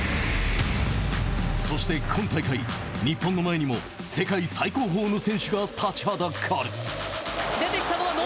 そして今大会、日本の前にも世界最高峰の選手が立ちはだかる。